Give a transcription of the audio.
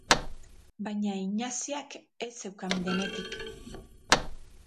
Baina Ignaziak ez zeukan denetik.